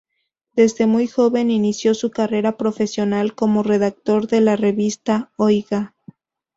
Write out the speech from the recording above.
Desde muy joven inició su carrera profesional como redactor de la revista Oiga.